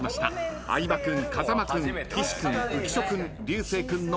相葉君風間君岸君浮所君流星君の５人。